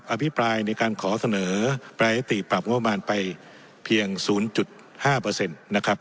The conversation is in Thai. คุณผู้ยามพิปรายในการขอเสนอประอนุมัณไปเพียงศูนย์จุดห้าเปอร์เซ็นต์นะครับ